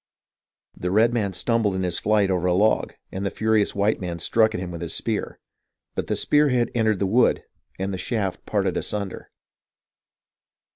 The redman stumbled in his flight over a log, and the furious white man struck at him with his spear ; but the spear head entered the wood, and the shaft parted asunder.